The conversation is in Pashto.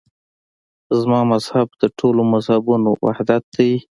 زما مذهب د ټولو مذهبونو وحدت دی.